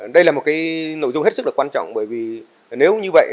đây là một nội dung hết sức quan trọng bởi vì nếu như vậy